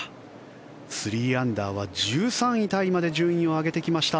３アンダーは１３位タイまで順位を上げてきました。